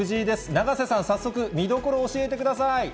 永瀬さん、早速見どころを教えてください。